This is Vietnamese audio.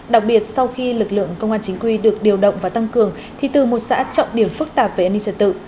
đặc biệt sau khi lực lượng công an chính quy được điều động và tăng cường thì từ một xã trọng điểm phức tạp về an ninh trật tự